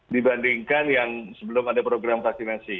dibandingkan yang sebelum ada program vaksinasi